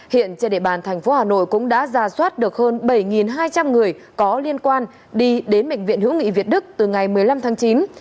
hiện trên địa bàn thành phố hà nội cũng đã ra soát được hơn bảy hai trăm linh người có liên quan đi đến bệnh viện hữu nghị việt đức từ ngày một mươi năm tháng chín